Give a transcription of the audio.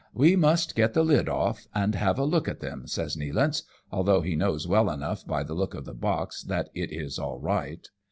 " We must get the lid off it, and have a look at them," says Nealance, although he knows well enough by the look of the box that it is all right.